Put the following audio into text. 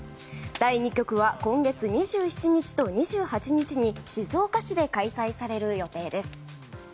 第２局は今月２７日と２８日に静岡市で開催される予定です。